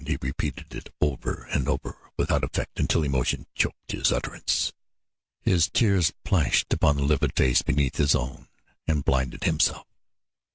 He repeated it over and over without effect until emotion choked his utterance. His tears plashed upon the livid face beneath his own and blinded himself.